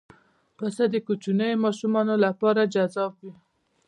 پسه د کوچنیو ماشومانو لپاره جذاب وي.